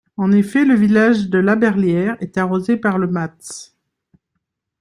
En effet, le village de Laberlière est arrosé par le Matz.